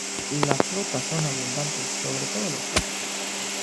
Las frutas son abundantes, sobre todo los cítricos.